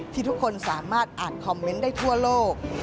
ทุกคนสามารถอ่านคอมเมนต์ได้ทั่วโลก